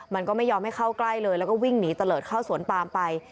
มันก็ไม่ยอมให้เข้าใกล้เลยแล้วก็วิ่งหนีตะเลิศเข้าสวนปามไป